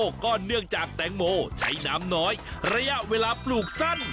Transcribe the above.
ก็เนื่องจากแตงโมใช้น้ำน้อยระยะเวลาปลูกสั้น